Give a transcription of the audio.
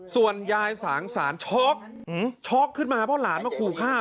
ส่วนยายสางสานช็อกคนช็อกขึ้นมาเพราะลาดเผื่อขู่ข้าว